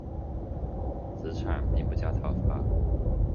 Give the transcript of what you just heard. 子产并不加讨伐。